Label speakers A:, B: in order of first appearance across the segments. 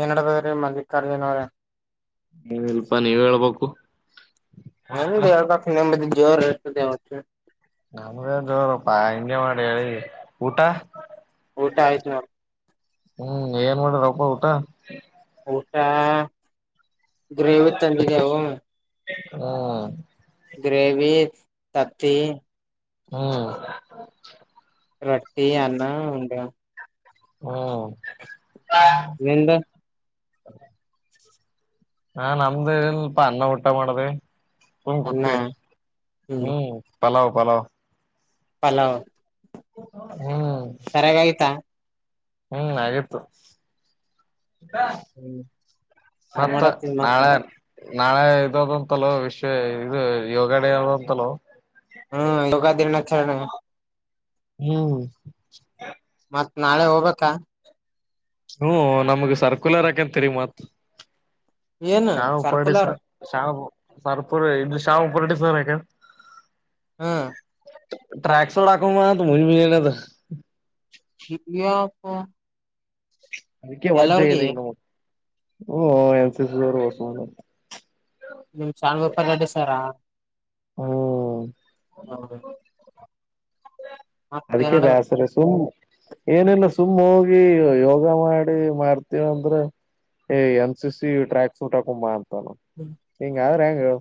A: ಏನ್ ನಡ್ದ್ಯಾತ್ರೀ ಮಲ್ಲಿಕಾರ್ಜುನವ್ರೆ
B: ನೀವಲ್ಪಾ ನೀವ್ ಹೇಳ್ಬೇಕು
A: ನಿಮ್ದೇಳ್ಬೇಕ್ ನಿಮ್ಮದು ಜೋರ್ ದಾವತ್ತು
B: ನಮ್ದ್ಯಾವ್ ಜೋರಪ್ಪಾ ಹಂಗೆ ಮಾಡೇಳಿ ಊಟ
A: ಊಟಾಯ್ತ್ ನೋಡ್
B: ಹ್ಮ್ ಏನ್ ಮಾಡರಪ್ಪ ಊಟ
A: ಊಟಾ ಗ್ರೇವಿ ತಂದಿದೇವು
B: ಹ್ಮ್
A: ಗ್ರೇವಿ ತತ್ತಿ
B: ಹ್ಮ್
A: ರೊಟ್ಟಿ ಅನ್ನ ಉಂಡ್ಯಾವ್
B: ಹ್ಮ್
A: ನಿಂದ್
B: [inaudible] ಹಾ ನಮ್ದು ಇಲ್ಪ ಅನ್ನ ಊಟ ಮಾದೇ ಸುಮ್
A: ಅನ್ನ
B: ಗುತ್ತಿ ಹ್ಮ್ ಪಲಾವ್ ಪಲಾವ್
A: ಪಲಾವ್
B: [unintelligible]
A: ಸರಿಯಾಗಾಗಿತ್ತ
B: ಹ್ಮ್ ಆಗಿತ್ತು
A: ಹ್ಮ್ ಏನ್
B: ಸತ್ತ
A: ಮಾಡತಿ ಮತ್ತ
B: ನಾಳೆರ್ ನಾಳೆ ಇದದಂತಲ್ಲೊ ವಿಶ್ವ ಇದು ಯೋಗ ಡೇ ಅದಂತಲ್ಲೊ
A: ಹ್ಮ್ ಯೋಗಾದಿನಾಚರಣೆ.
B: ಹ್ಮ್
A: ಮತ್ತ್ ನಾಳೆ ಹೋಗ್ಬೇಕಾ.
B: ಹ್ಮ್ ನಮ್ಗೆ ಸರ್ಕುಲರ್ ಹಾಕಂತ ತಿರಿಗ್ ಮತ್.
A: ಏನು
B: ಸಾವ ಪಡಿಸ
A: ಸರ್ಕುಲರ್
B: ಸಾವು. ಸರ್ ಪುರ ಶವು ಪುರಟಿ ಸರ್ಕ್
A: ಹಾ
B: ಟ್ರ್ಯಾಕ್ ಸೂಟ್ ಹಾಕೊಂಬಾ ಅಂತ ಮುಂಜ್ಮುಂಜಾನೆ ಎದ್ದು.
A: ಇದ್ಯಾಪ್ಪ.
B: ಅದಕ್ಕೆೇ ವಜ್ಜ ಇದಿಗ್ ನೋಡ್. ಹಓ ಎನ್ಸ ಸಿ ಬ ಬಸ
A: ನಿಮ್ ಚನ್ ಬೊಪಾರ್ ರಡ್ ಸಾರಾ ಹ್ಮ್
B: ಹ್ಮು
A: ಮತ್ತೇನ್
B: ಅದಕ್ಕೆೇ
A: ನಡದದ
B: ಬ್ಯಾಸರ ಸುಮ್ನೆ ಏನಿಲ್ಲ ಸುಮ್ಮ್ ಹೋಗಿ ಯೋಗ ಮಾಡಿ ಮಾಡ್ತೀವ್ ಅಂದ್ರ, ಎ N C C track suit ಹಾಕೊಂಬ. ಇಂಗ್ ಆದ್ರೆ ಹೆಂಗ್ ಹ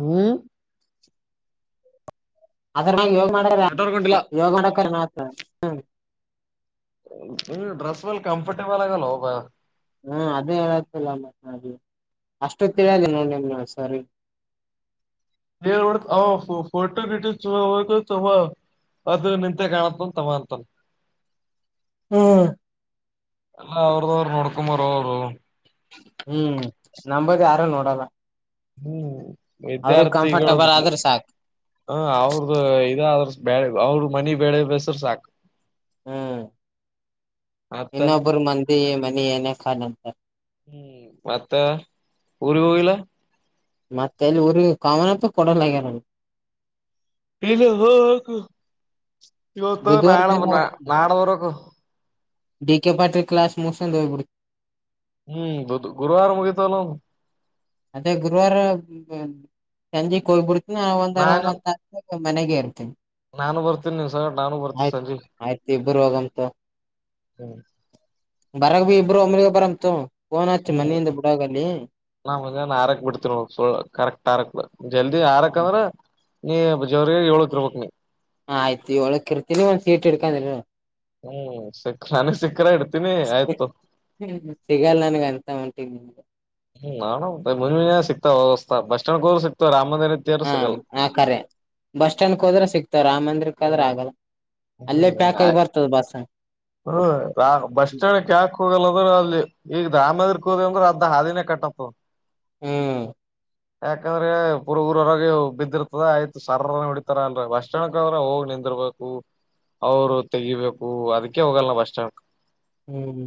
B: ಹೂ
A: ಅದ್ರಾ [unintelligible] ಮಾಡ
B: ಸ್ವೆಟರ್ ಹಾಕೊಂಡಿಲ್ಲ
A: ಯೋಗ ಮಾಡಕ ಹಾ ಹ
B: ಹ್ಮ ಡ್ರೆಸ್ ಒಲ್ಲಿ ಕಂಫರ್ಟೇಬಲ್ ಆಗಲ್ಲಬ [unintelligible]
A: ಹ್ಮ ಅದೇ ಹೇಳತಿಲ್ಲ ಮತ್ಲಿ ಅಷ್ಟು ತಿಳಿಯಲಿ ನೋಡಿ ಸರಿ
B: ಬ ಅವ ಫೋಟೋ ಗಟ್ಟ ಹ ತ ಅದು ನಿಂತೆ ಕಾಣತನ್ ತಗಂತನ್ [unintelligible]
A: ಹ್ಮ್
B: ಎಲ್ಲ ಅವ್ರದ ಅವರು ನೋಡ್ಕೊಮಾರ ಅವರು
A: ಹ್ಮ್ ನಂಬದ ಯಾರು ನೋಡಲ್ಲ
B: ಹ್ಮ್
A: ಅವ್ರಿಗೆ
B: ವಿದ್ಯಾರ್ಥಿಗಳ
A: ಕಂಫರ್ಟಬಲ್
B: [unintelligible]
A: ಆದ್ರೆ ಸಾಕು
B: ಹ ಅವ್ರ್ದ ಇದ ಆದ್ರ ಬ್ಯಲ್ ಅವರು ಮನಿ ಬೆಳೆ ಬಸರು ಸಾಕು
A: ಹ್ಮ್
B: ಮತ್ತ
A: ಇನ್ನೊಬ್ಬರು ಮಂದಿ ಮ ನೀ ಏನಖ ನಂತ
B: ಹ್ಮ್ ಮತ್ತ ಊರಿಗ್ ಹೋಗಿಲ್ಲ
A: ಮತ್ತೆಲ್ಲಿ ಊರಿ ಕಾಮನಪ್ಪ ಕೊಡಲ್ಲಗ್ಯಾರ
B: [unintelligible] ಇವತ
A: ಬುಧವಾರ
B: ನಾಳೆ
A: ದಿನ
B: ನಡದ್ ಬರ್ಬೆಕ್.
A: ಡಿ ಕೆ ಪಾಟಿಲ ಕ್ಲಾಸ ಮುಗುಸ್ಕೊಂಡು ಹೋಗಿಬಿಡ್
B: ಹ್ಮ್ ಗುರುವಾರ ಮುಗೋತವ ನಮವು.
A: ಅದೇ ಗುರುವವಾರ ಸಂಜೆ ಕೊಯ್ಬಿಡ್. ಹಾ ಒಂದರ
B: ನಾನು
A: ಒಂದ್ ತಾಸ್. ಮನೆಗೆ ಇರ್ತೀನಿ.
B: ನಾನು ಬರ್ತೀನಿ ನೀನ್ ಸರ್ ನಾನು ಬರ್ತೀನಿ
A: ಆಯ್ತ
B: ಸಂಜೆ
A: ಆಯ್ತು ಇಬರು ಹೋಗಮ್ತಗ
B: ಹ್ಮ್
A: ಬರ್ದ್ ಇಬರು ಓಮಿಗೆ ಬಾರಮ್. ತ್ತ ಫೋನ್ ಆಚ್ಚು ಮನೆಯಿಂದ ಬಿಡೋಗಲ್ಲಿ.
B: ಅವಾದ ನಾ ಮುಂಜೆನೇ ಆರಕ್ ಬಿಡ್ತೀನ ಕರೆಕ್ಟ್ ಆರಕ್ ಜಲ್ದಿ ಆರಕ್ ಅಂದ್ರ ನೀ ಜಾರಿ ಯೋಳುಕ್ ಇರಬೇಕೆನಿ.
A: ಹ ಆಯ್ತು ಏಳಕ್ ಇರ್ತೀರಿ ಒಂದ್ ಸೀಟ್ ಇಡ್ಕೊಂಡಿರೂ.
B: ಹ್ಮ್ ಸಿಕ್ಕ ನಾನು ಸಿಕ್ಕರ ಇಡ್ತೀನಿ ಆಯ್ತು.
A: ಸಿಗಲ್ ನನ್ಗ ಅಂತ ಹೊಂಟಿಗ್ ನಿಮ್ಗೆ
B: ಹ್ಮ ನ ಮುಂಜ ಸಿಗ್ತವೆ ವಸ್ತಾ ಬಸ್ ಸ್ಯಾಂಡ್ಗೆೋರು ಸಿಕ್ತವೆ ರಾಮ ಮಂದಿರ ಹತ್ತಿರ
A: ಹಾ
B: ಸಿಗಲ್ಲ
A: ಆ ಕರೆ ಬಸ್ ಸ್ಟ್ಯಾಂಡ್ ಹೋದ್ರೆ ಸಿಕ್ತವ ರಾಮ್ ಮಂದಿರಕ ಅಂದ್ರೆ ಆಗಲ್ಲ ಅಲ್ಲೇ ಪ್ಯಾಕ್ ಆಗಿ ಬರ್ತದ ಬಸ್.
B: ಹ್ಮ ಬಸ್ ಸ್ಟ್ಯಾಂಡ ಯಾಕ ಹೋಗಲ್ಲದ್ರ ಅಲ್ಲಿ ಈಗ ರಾಮನಗರದಗ್ ಗ್ರ ಅರ್ಧ ಹಾದಿನೇ ಕಟ್ಟಆತದ.
A: ಹ್ಮ
B: ಯಾಕಂದ್ರೆ ಪುರ ಊರರಗೆ ಬಿದ್ದಿರ್ತದ ಆಯ್ತು ಸರ್ರ ಹೊಡಿತಾರ ಅಲ್ರ ಬಸ್ ಸ್ಟಾಂಡ್ಡಕ್ ಅವ್ರ ಹೋಗಿ ನಿಂದಿರ್ಬೇಕು ಅವರು ತೆಗಿಬೇಕು ಅದಕ್ ಕೆ ಹೋಗಲ್ಲ ಬಸ್ ಸ್ಟ್ಯಾಂಡಕ್.
A: ಹ್ಮ್ ಹ್ಮ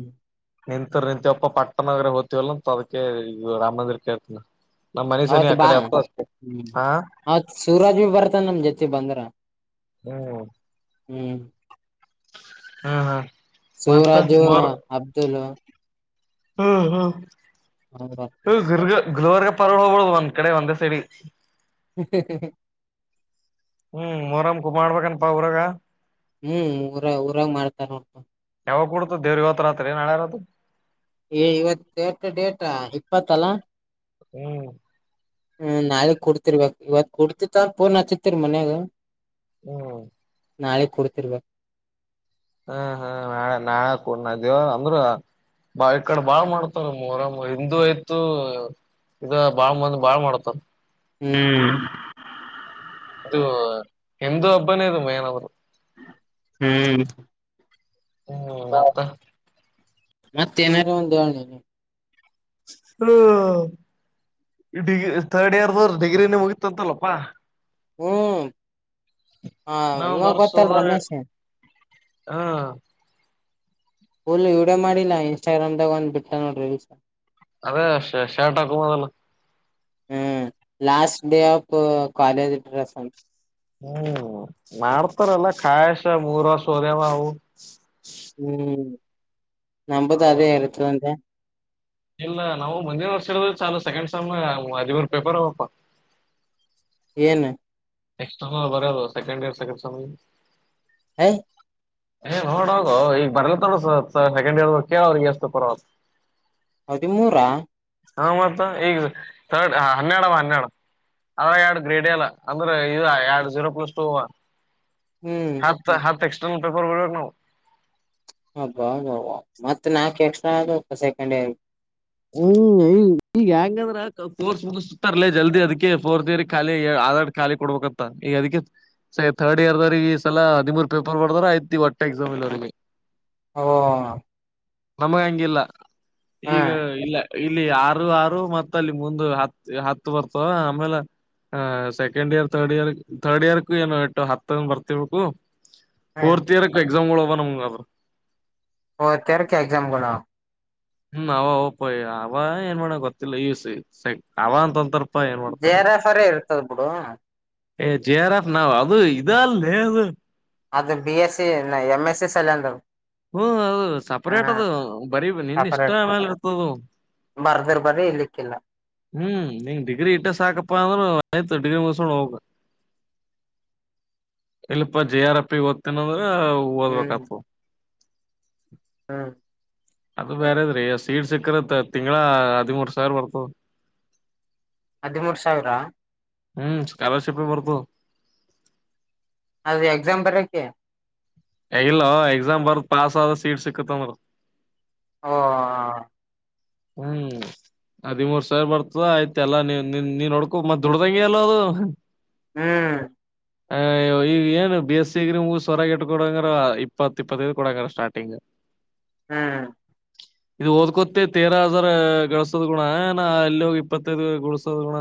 B: ನಿಂತರ ನಿಂತವಪ್ಪ ಪಟ್ಟಣನಗ್ರ ಹೋಗ್ತಿವಲ್ಲ ಅಂತ ಅದಕ ಈಗ ರಾಮ ಮಂದಿರ್ ಕೇತನ.
A: ಅವತ್ ಬಾ ಹ್ಮ ಅವತ್ ಸೂರಾಜ್ ಬಿ ಬರ್ತಾನ ನಮ ಜೊತೆ ಬಂದ್ರ
B: ಹ್ಮ್
A: ಹ್ಮ್
B: ಹ್ಮ ಹಾ ಮತ್ತ
A: ಸೂರಾಜು
B: ಮೋರ್
A: ಅಬ್ದುಲ್
B: ಹ್ಮ್ ಹ್ಮ್
A: [unintelligible]
B: ಗುಲ್ವರ್ಗ ಪರಳ ಹೋಗಬುದು ಒಂದ್ ಕಡೆ ಒಂದೇ ಸಡಿ
A: ಹ್ಮ ಹ್ಮ್ ಹ್ಮ ಹ್ಮ
B: ಹ್ಮ್ ಮೊರಮಕೂ ಮಾಡ್ಬೇಕನ್ಪಾ ಅವರಾಗ
A: ಹ್ಮ್ ಊರ ಊರಾಗ ಮಾಡ್ತಾರ ನೋಡ್ಪ
B: [inaudible] ಯಾವಾಗ ಕುಡತ ದೇವರ ಇವತ್ತು ರಾತ್ರಿ ನಾಳೆ ರಾತ್ರಿ
A: ಏ ಇವತ್ತೆಡು ಡೇಟಾ ಪತಲ್ಲಾ
B: ಹ್ಮ್
A: ಹ್ಮ್ ನಾಳೆ ಕುಡ್ತಿರ್ಬೇಕ್ ಇವತ್ ಕುಡ್ತಿತ್ತ ಪೋನ್ ಹತ್ತತಿರಿ ಮನ್ಯಾಗ
B: ಹ್ಮ್
A: ನಾಳೆ ಕೊತಿರ್ರುವ
B: ಹ್ಮ ಹ್ಮ ನಾ ನಾಳ ಕಡ ನ ದವ ಅಂದ್ರ ಬಾಳ್ ಈ ಕಡೆ ಬಾಳ್ ಮಾಡ್ತಾರರ ಹಿಂದೂ ಆಯ್ತು ಇದ ಬಾಳ್ ಮಂದ ಬಾಳ್ ಮಾಡ್ತಾರ
A: ಹ್ಮ್
B: ಹ ಎಂದು ಹಬ್ಬನೇ ಇದು ಮೇನವರು
A: ಹ್ಮ್
B: ಹ್ಮ್ ಮತ್ತ
A: ಮತ್ತೇನಾರ ಒಂದು
B: ಹ ಡಿಗ್ರಿ ಥರ್ಡ್ ಇಯರ್ ದವ್ರ ಡಿಗ್ರಿನ ಮುಗಿತ್ತ ಅಂತಲ್ಲಪ್ಪಾ
A: ಹ್ಮ್ ಹಾ
B: ಇನ್ನೊಂದ್
A: ಇವಾಗ
B: ವರ್ಷ
A: ಗೊತ್ತಲ್
B: ಅದ
A: ರಮೇಶ್
B: ಹ್ಮ್
A: ಹಲ್ ಇವಡೇ ಮಾಡಿಲ್ಲಾ ಇನ್ಸ್ಟಾಗ್ರಾಮ್ಗ ಒಂದ್ ಬಿಟ್ಟ ನೋಡ ರೀಲ್ಸ್
B: ಅದೇ ಶೇರ್ಟ ಆಕ ಅದಲ್ಲ
A: ಹ್ಮ್ last day of college dress
B: ಹ್ಮ್ ಮಾಡ್ತಾರಲ್ಲ ಕಾಂಯಸ ಮೂರ ಸೋರವ ಅವು
A: ಹ್ಮ್ ನಂಬದು ಅದೇ ಇರುತು ಅಂತೆ
B: ಇಲ್ಲ ನಾವು ಮುಂದಿನ ವರ್ಷ ಹೇಳಿದ ಚಾ ಸೆಕೆಂಡ್ ಸ್ ಹದಿವರ್ ಪೇಪರ್ ಅವಪ್ಪ
A: [inaudible] ನ್
B: ಎಕ್ಸ್ ಬರದು ಸೆಕಂಡ್ ಇರ್ ಸೆಕ್ ಸ್
A: ಹ
B: ಏ ನೋಡೋಗೋ ಈಗ ಬರ್ಲತ್ತ ನೋಡ ಸ ಸೆಕೆಂಡ್ ಇಯರ್ ಕೇಳ ಅವ್ರಗ ಎಷ್ಟು ಪರ
A: ಹದಿಮೂರ
B: ಹ ಮತ್ತ ಈಗ ಥರ್ಡ್ ಹನ್ನೆರಡವ ಹನ್ನೆರಡು ಅದ್ರ ಎರಡು ಗ್ರೀಡ್ ಎಲ್ಲ ಅಂದ್ರೆ ಇ ಎರಡು ಜೀರೋ ಪ್ಲಸ್ ಟೂ
A: ಹ್ಮ್
B: ಹತ್ತು ಹತ್ತಕ್ಷ ನನ್ನ ಪೇಪರ್ಗಳು ನ
A: ಸೆಕಂಡ್ ಯಾರ್ [inaudible]
B: ಹ್ಮ ಈಂಗಂದ್ರಫೋರ್ಸ್ ಮುಗತರ್ಲ ಜಲ್ದಿ ಅದಕ್ಕೆ ಫೋರ್ತ್ ಇಯರ್ ಖಾಲಿ ಆಧಡ್ ಖಾಲಿ ಕೊಡ್ಬೇಕಂತ ಈ ಅದ ಸ ಥರ್ಡ್ ಇಯರ್ ದ ಈ ಸಲ ಹದಿಮೂರ್ ಪೇಪರ್ ಬದಾರ ಆಯ್ತಿ ಹೊಟ್ಟೆ ಎಕ್ಸಾಮ್ ಇಲ್ರಿಗೆ
A: ಹ
B: ನಮಗ ಹಂಗಿಲ್ಲ ಈಗ ಇಲ್ಲ ಇಲ್ಲಿ ಆರು ಆರು ಮತ್ತ ಅಲ್ಲಿ ಮುಂದ ಹತ್ ಹತ್ತು ಬರ್ತವ ಆಮೇಲೆ second year third year third ಇಯರ್ಕ್ ಏನು ಇಟ್ಟು ಹತ್ತಂದ ಬರ್ತಿಬೇಕು
A: ಹ್ಮ್
B: ಫೋರ್ಥ್ಇಯರ್ಕ್ಕ ಎಸಾಮ ಮೂಳ ಬ ನ [unintelligible]
A: ಓ ತರಕ್ಕೆ ಎಕ್ಸಾಮ್ ಕೊಡ
B: ಹ್ಮ್ ಅವ ಪಯ ಅವ ಏನ್ ಮಾಡ ಗೊತ್ತಿಲ್ಲ ಯಸ ಅವ ಅಂತೊಂತರ್
A: ಜರಫರ ಇರ್ತವ ಹಡ [unintelligible]
B: ಏ್ ಜೆ ಆರಫ್ ನಾವವು ಅದು ಇದಾಲ್ಲ ಅದು
A: ಅದು B S C M S C ಸಲ್ ಅಂದರು
B: ಹ್ಮ ಅದು ಸಪರೇಟ್ ಅದು ಬರಿೀ ನಿನ್
A: ಸಪರೇಟ್
B: ಇಷ್ಟಮೇಲೆ ಇರ್ತದು
A: ಬರ್ದರ್ ಬರ್ರಿ ಇರ್ಲಿಕ್ಕಿಲ್ಲ
B: ಹ್ಮ್ ನಿಂಗ ಡಿಗ್ರಿ ಇಟ್ಟ ಸಾಕಪ್ಪಾ ಅಂದ್ರ ಆಯ್ತು ಡಿಗ್ರಿ ಮುಸ್ಕೊಂಡು ಹೋಗ ಇಲ್ಲಿಪ ಜಿ ಆರ್ ಅ ಪಿ ್ತನಂದ ಓದ್ಬೇಕತ
A: ಹ್ಮ
B: ಅದು ಬೇರೆದ್ರೀ ಸೀಡ್ ಸಿಕ್ಕರತ್ ತಿಂಗಗಳ ಹದಿಮೂರು ಸಾವಿರ ಬರ್ತದ
A: ಹದಿಮೂರು ಸಾವಿರ
B: ಹ್ಮ್ ಸ್ಕಾಲರ್ಶಿಪೆ ಬರ್ಗು
A: ಅದು ಎಕ್ಸಾಮ್ ಬರಕ್ಕೆ
B: ಇಲ್ಲ ಎಕ್ಸಾಮ್ ಬರ್ದ್ ಪಾಸ್ ಆದ ಸೀಟ್ ಸಿಕ್ಕತ್ಂದರು
A: ಹ
B: ಹ್ಮ್ ಹದಿಮೂರ್ ಸಾವಿ ಬರ್ತದ ಆಯ್ತ ಎಲ್ಲಾ ನೀ ನಿನ್ ನೀನ್ ನೋಡ್ಕೋ ಮತ್ ದುಡ್ದಂಗಗೆ ಎಲ್ಲ ಅದು
A: ಹ್ಮ್
B: ಆ ಈಗ ಏನು ಬಿ ಎಸ್ ಸಿಗ್ರಿ ಮೂಗ ಸವರಗ ಇಟ್ ಕೊಡಂಗ್ರ ಇಪ್ಪತ್ತ ಇಪ್ಪತ್ತೈದು ಕೊಡಂಗ್ರ ಸ್ಟಾರ್ಟಿಂಗ್
A: ಹ್ಮ್ ಹ್ಮ
B: ಇದು ಓದ್ಕೊತೇ ತೇರ ಹಜಾರ್ ಗಳಸೋದ್ ಗುಣ ನ ಅಲ್ಲಿ ಹೋಗಿ ಇಪ್ಪತ್ತೈದು ಳಸೋದ್ ಗುಣ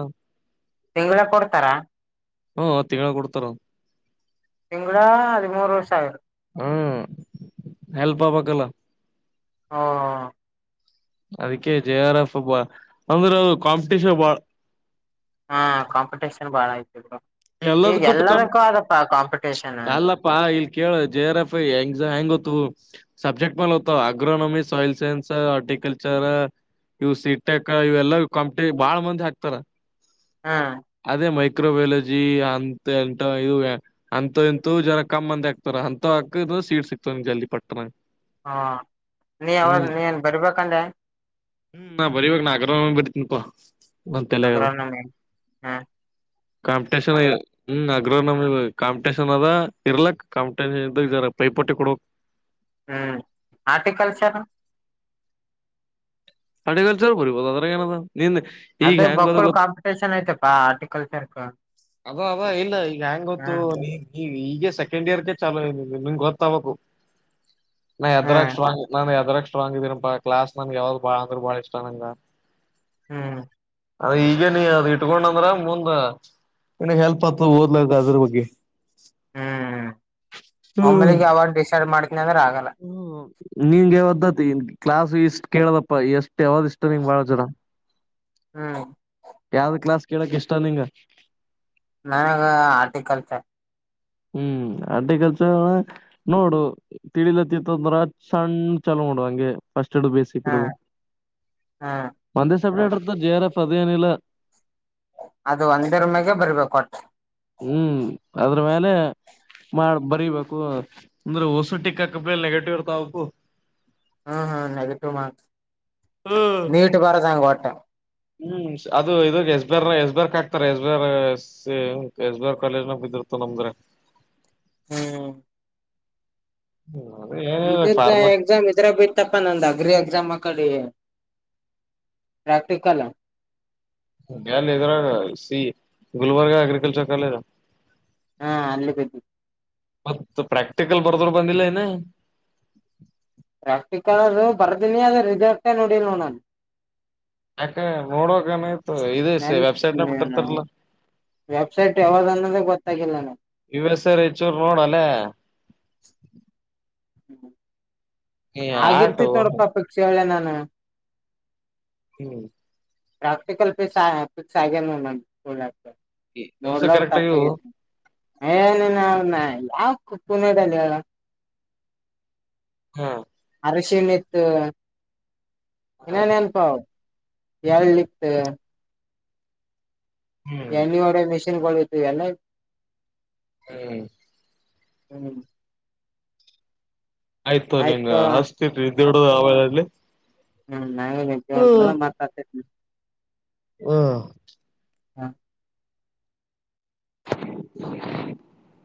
A: ತಿಂಗಳ ಕೊಡ್ತಾರ
B: ಹ್ಮ ತಿಂಗಳ ಕೊಡ್ತಾರ
A: ತಿಂಗಳ ಹದಿಮೂರು ವರ್ಷ ಆಗಿತ್ತೆ
B: ಹಾ ಹೆಲ್ಪ ಹವ ಕಲ್ಲ
A: ಹಾ
B: ಅದಕ್ಕೆ ಜೆ ಆರ್ ಎಫ್ ಅಂದ್ರೆ ಅ ಕಾಂಪಿಟಷನ್ ಬಾಳ್
A: ಹಾ ಕಾಂಪಿಟೇಷನ್ ಬಾಳ ಆಯ್ತು
B: ಎಲ್ಲದ ಕುಟ್ಟ ಕ
A: ಕಾಂಪಿಟೇಷನ್
B: ಅಲ್ಲಪ್ಪಾ ಇಲ್ಲಿ ಕೇಳ ಜೆ ಆರ್ ಎಫ ಐ ಹೆಂಗ್ ಹೆಂಗ ಸಬ್ಜೆಕ್ಟ್ ಮೇಲೆ ಹ್ತ ಅಗ್ರೋನಮಿ ಸಾಯಯಿಲ್ ಸೈನ್ಸ್ ಹಾರರ್ಟಿಕಲ್ಚರ್ ಇವು ಸಿಟೆಕ್ ಇವೆಲ್ಲ ಕಾಂಪಿಟ ಬಾಳ ಮಂದಿ ಹಾಕ್ತಾರ
A: ಹ್ಮ್
B: ಅದೇ ಮೈಕ್ ಇ್ರ ವೇಜ [unintelligible] ಜೀ ಅಂತ ಎಂಂತ ಇ ಅಂತ ಎಂತು ಜನ ಕಮ್ಮ್ ಮಂದಿ ಆಕ್ತಾರ ಅಂತ ಹಾಕ ಸೀಟ್ ಸಿಕ್ತವ ಜಲ್ದಿ ಪಟ್ಟನ
A: ಹಾ ನೀ ಯಾವಾಗ
B: ಹ್ಮ್
A: ನೀನ್ ಬರ್ಬೇಕಂದೆ
B: ಹ್ಮ್ ನಾ ಬರಿಬೇಕಕ್ ನಾ ಆಗ್ರ ಬರೀತನಪ್ಪ
A: ಅಗ್ರ ಹಾ
B: ಕಾಂಪಿಟೇಷನ್ ಹ್ಮ ಅಗ್ರ ನಮ ಕಾಂಪಿಟೇಷನ್ ಅದ ಇರ್ಲಕ್ ಕಾಂಪಿಟಷನ್ ಇದ ಇದಾರ ಪೈಪೋಟಿ ಕೊಡಕ್
A: ಹ್ಮ್ ಆರ್ಟಿಕಲ್ಚರ್
B: ಅ್ರಕಲ್ಚರ್ ಬರಿಬೋದು ಅದ್ರ ಏನ
A: ಅದು ಮಕ್ಕಳ ಕಾಂಪಿಟೇಷನ್ ಐ್ತಪಾ ಆರ್ಟಿಕಲ್ಚರ್ ಹ
B: ಅ ಅವ ಇಲ್ಲ ಈಗ ಹೆಂಗ ಗೊತ್ತು ನೀ ನೀವಿ ಗೆ ಸೆಕೆಂಡ್ ಇಯರ್ಗೆ ಚಾಲು ನ ನಿಂಗೆ ಗೊತ್ತಬಬೇಕು ನಾ
A: ಹ್ಮ್
B: ಎದರಕ್ಷ್ ನಾನು ಎದರಕ್ಷ ಇಷ್ಟಂಗ ಇದೀರಪ ಕ್ಲಾಸ್ ನಂಗೆ ಯಾವ್ದ್ ಬಾ ಅಂದ್ರರು ಬಾಳ ಇಷ್ಟ ನಂಗಗೆ
A: ಹ್ಮ್
B: ಅದ ಈಗ ನೀ ಅದ ಇಟ್ಕೊಂಡಂದ್ರ ಮುಂದ ನನಗ್ ಹೆಲ್ಪ್ ಹತ್ ಓದ್ಲ್ದ ಅದ್ರ ಬಗ್ಗೆ
A: ಹ್ಮ್ ಒಮ್ಮಲಿಗೆ ಯಾವಾಗ ಡಿಸೈಡ್ ಮಾಡ್ತ
B: ಹ್ಮ ನಿಂಗೆ ಒ್ದ ಕ್ಲಾಸ್ ಇಷ್ಟ್ ಕೇಳದಪ್ಪ ಎಷ್ಟು ಯಾವ್ದ ಇಷ್ಟ ನಿಂಗ ಬಾಳ ಜನ
A: ಹ್ಮ್
B: ಯಾವ್ದ ಕ್ಲಾಸ್ ಕೇಳಕ್ ಇಷ್ಟ ನಿಂಗ
A: ನ ಆರ್ಟಿಕಲ್ಚರ್
B: ಹ್ಮ್ ಅರ್ಟಿಕಲ್ಚರ್ ನೋಡು ತಿಳಲತ್ತತ್ತಂದ್ರ ಸಣ್ಣ ಚಲ ನೋಡು ಹಂಗೆ ಸ್ಟ್ ಬೇಸಿಕ್ಡ
A: ಹ್ಮ್ ಹ್ಮ್
B: ಒಂದ ಸ ಜೆ ಆರ್ ಎಫ್ ಅದೇ ನಿಲ್ಲ
A: ಅದು ಒಂದೇ ರಮಾಗ ಬರ್ಬೇಕ ಹೊಟ್ಟ
B: ಹ್ಮ್ ಅದ್ರ ಮೇಲೆ ಮಾಡ ಬರಿಬೇಕು ಅಂದ್ರೆ ಹೊಸುಟಿಕ್ಕಕ ನೆಗೆಟಿವ್ ಇರ್ತಾವಬೇಕು
A: ಹ್ಮ್ ಹ್ಮ್ ನೆಗಟಿವ್ ಮಾರ್ಕ್ಸ್ ನೀಟ್ ಬರ ಸಾಂಗ ಒಟ್ಟ
B: ಹ್ಮ್ ಅದು ಇದಾಗ ಎಸ್ ಬೇರ್ ಎಸ್ ಬೇರ್ಕ್ ಹಾಕ್ತಾರ ಎಸ್ ಬೇರ್ ಪ ಎಸ್ಬರ್ ಕಾಲೇಜ್ನ ಬಿದ್ದಿರ್ತ ನಮಗ್ರೆ
A: ಹ್ಮ
B: ಹೌ
A: ಇದ ಎಕ್ಸಾಮ್ ಇದ್ರ ಬಿಟ್ಟಪ್ಪ ನಂದ್ ಅಗ್ರಿ ಎಕ್ಸಾಮ್ ಕಡೆ ಪ್ರಕ್ಟಿಕಲ್
B: ನ್ದರ ಸಿ ಗುಲ್ಬರ್ಗ ಅಗ್ರಿಕಲ್ಚರ್ ಕಾಲೇಜ
A: ಹಾ ಅಲ್ಲಿ ಬಿದ್ದಿ
B: ಮತ್ತ ಪ್ರಾಕ್ಟಿಕಲ್ ಬರದರು ಬಂದಿಲ್ಲ ಏನ
A: ರಾಷ್ಟಿ ಕಾಲ ಬರ್ದನಿ ಅದ ರಿಸಲ್ಟೇ ನೋಡಿಲ್ ನೋ ನಾನು
B: ಯಕ ನೋಡಕನ ಇದು ವೆಬ್ಸೈಟ್ನ ಬಿಟ್ಟಿರ್ತಾರಲ್ಲ
A: ವೆಬಸೈಟ್ ವಜಾನಲ್ಲಿ ಗತ್ತ ಕೆಲ್ಲಾನ
B: ಯು ಎಸ್ ಆರ್ ಹೆಚ್ಚೂರ್ ನೋಡಲ್ಲೇ
A: ಹ್ಮ ಹ
B: ಈ ಆಟು
A: ಆಗಿರ್ತಿತ್ ನೋಡಪ್ಪಾ ಅಪೇಕ್ಷೆ ಹೇಳಳ್ಳೆ ನಾನು
B: ಹ್ಮ್
A: ಪ್ರಾಕ್ಟಿಕಲ್ ಸ ನ
B: ವ್ಯವಸ ಕರೆಕ್ಟ್ ಆಗ
A: ಏನ ನ ಯಾ ಕುಪ್ಪನಡಲ್ಲ
B: ಹ್ಮ್
A: ಅರಶಿಣತ್
B: ಹ್ಮ್
A: ನನ್ನ್ಪ ಎಳ್ಲಿತ್
B: ಹ್ಮ್
A: ಎ ಒೆ ಮಿನ್ ಬ ಎನ
B: ಹ್ಮ್
A: ಹ್ಮ್
B: ಆಯ್ತು ನಿಂಗ ಹಷ್ಟ ಇಡ ಹಾವಲ್ಲಿ
A: ಹ್ಮ ನಾ ನಿ ಮಾತಾಡ್ತೇನನೆ
B: ಹ್ಮ
A: ಹಾ
B: [inaudible]